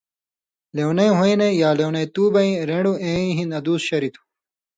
لیونَئ ہُوئیں نہ یا لیونتُوبَیں رین٘ڑوۡ ایں ہِن ادُوس شریۡ تھُو۔